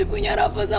asyik dia dua duanya